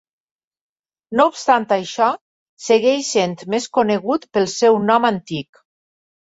No obstant això, segueix sent més conegut pel seu nom antic.